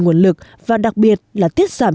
nguồn lực và đặc biệt là tiết giảm